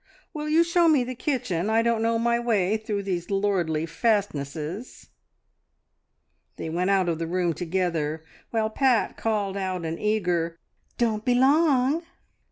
"Will you show me the kitchen? I don't know my way through these lordly fastnesses!" They went out of the room together, while Pat called out an eager, "Don't be long!"